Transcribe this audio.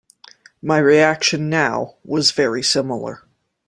My reaction now was very similar.